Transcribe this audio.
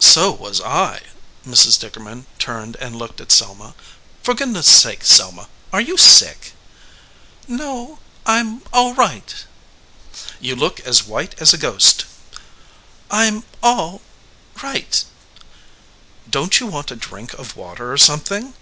"So was I." Mrs. Dickerman turned and looked at Selma. "For goodness sake, Selma! Are you sick?" "No; Fm all right." "You look as white as a ghost." "I m all right." "Don t you want a drink of water or some thing?"